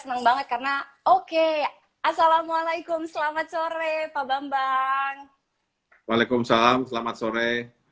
senang banget karena oke assalamualaikum selamat sore pak bambang waalaikumsalam selamat sore